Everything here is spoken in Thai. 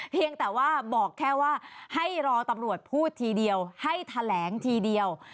เพียงแต่ว่าบอกแค่ว่าให้รอตำรวจพูดทีเดียวให้แถลงทีเดียว